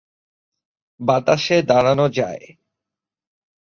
বাতাসে দাঁড়ানো দায়।